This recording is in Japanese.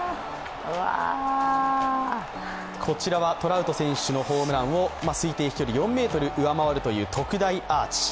こちらはトラウト選手のホームランを推定飛距離４ｍ上回るという特大アーチ。